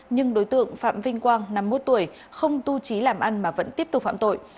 nhưng đối tượng phạm vinh quang năm mươi một tuổi không tu trí làm ăn mà vẫn tiếp tục phạm tội